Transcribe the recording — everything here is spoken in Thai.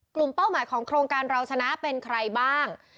เป้าหมายของโครงการเราชนะเป็นใครบ้าง